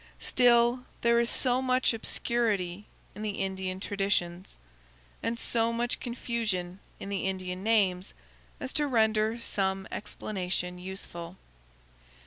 Still there is so much obscurity in the Indian traditions, and so much confusion in the Indian names, as to render some explanation useful.